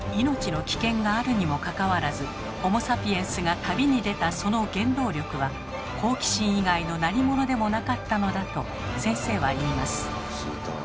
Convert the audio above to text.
命の危険があるにもかかわらずホモ・サピエンスが旅に出たその原動力は好奇心以外の何ものでもなかったのだと先生は言います。